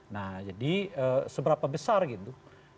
nah jadi seberapa besar gitu